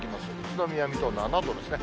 宇都宮、水戸、７度ですね。